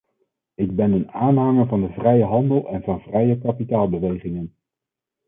Ik ben een aanhanger van de vrije handel en van vrije kapitaalbewegingen.